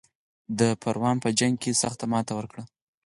د پروان په جنګ کې سخته ماته ورکړه.